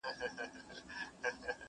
• یاره چنار دي پېغور نه راکوي..